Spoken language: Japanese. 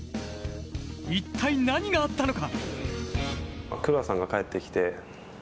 一体何があったのか。